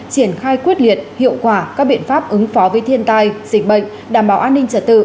triển khai quyết liệt hiệu quả các biện pháp ứng phó với thiên tai dịch bệnh đảm bảo an ninh trật tự